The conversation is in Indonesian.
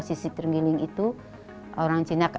sisik terenggiling itu orang cina